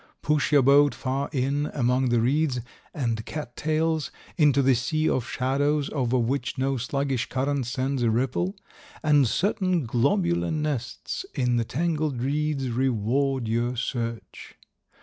Push your boat far in among the reeds and cat tails, into the sea of shadows over which no sluggish current sends a ripple, and certain globular nests in the tangled reeds reward your search.